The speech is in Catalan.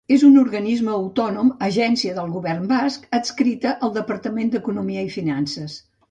És un organisme autònom agència del Govern Basc, adscrita al Departament d'Economia i Finances.